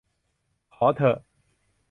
ขอเถอะ